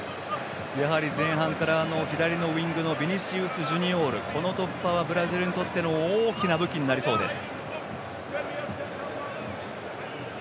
やはり前半から左のウィングのビニシウス・ジュニオールこの突破はブラジルにとっての大きな武器になりそうです。